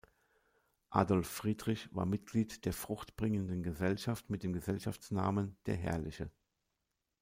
Adolf Friedrich war Mitglied der Fruchtbringenden Gesellschaft mit dem Gesellschaftsnamen „der Herrliche“.